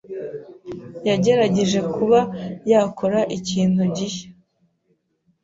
yagerageje kuba yakora ikintu gishya